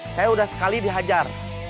saya udah sekali dihajar